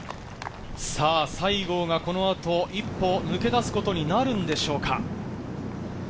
西郷がこのあと一歩抜け出すことになるんでしょうか。